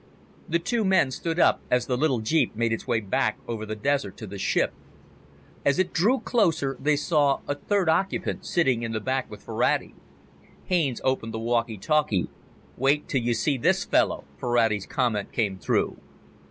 The two men stood up as the little jeep made its way back over the desert to the ship. As it drew closer, they saw a third occupant sitting in the back with Ferrati. Haines opened the walkie talkie. "Wait till you see this fellow," Ferrati's comment came through.